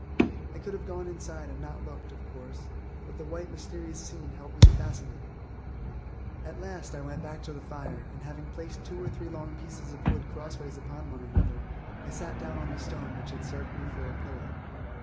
I could have gone inside and not looked, of course, but the white, mysterious scene held me fascinated. At last I went back to the fire and having placed two or three long pieces of wood crossways upon one another, I sat down on the stone which had served me for a pillow.